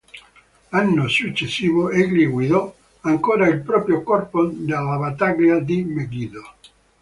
L'anno successivo egli guidò ancora il proprio corpo nella Battaglia di Megiddo.